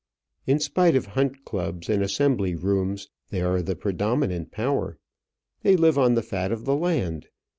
In spite of hunt clubs and assembly rooms, they are the predominant power. They live on the fat of the land.